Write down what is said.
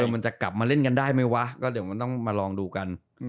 มันจะกลับมาเล่นกันได้ไหมวะก็เดี๋ยวมันต้องมาลองดูกัน